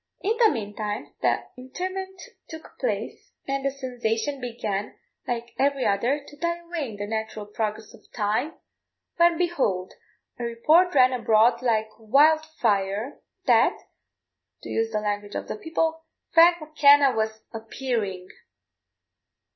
In the meantime the interment took place, and the sensation began, like every other, to die away in the natural progress of time, when, behold, a report ran abroad like wild fire that, to use the language of the people, "Frank M'Kenna was appearing!"